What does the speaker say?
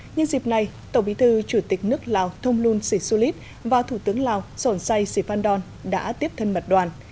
nhân dịp này tổng bí thư chủ tịch nước lào thông luân sì su lít và thủ tướng lào sổn say sì phan đòn đã tiếp thân mặt đoàn